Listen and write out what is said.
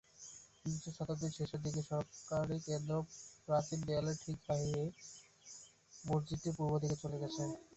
বিংশ শতাব্দীর শেষের দিকে, সরকারী কেন্দ্র প্রাচীন দেয়ালের ঠিক বাইরে মসজিদটির পূর্ব দিকে চলে গেছে।